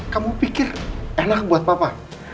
kamu pikir enak buat papa